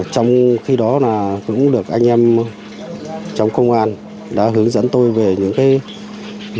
trong khi đó anh em trong công an đã hướng dẫn tôi về những bài hỏi